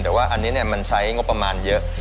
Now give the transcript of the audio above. แต่ว่าอันนี้มันใช้งบประมาณเยอะ